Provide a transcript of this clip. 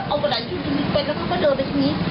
เขาก็เอาประดับอยู่ที่นี่ไปแล้วก็เดินไปที่นี้